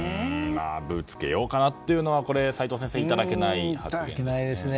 ぶつけようかなというのは齋藤先生いただけない発言ですね。